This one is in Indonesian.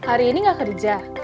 hari ini gak kerja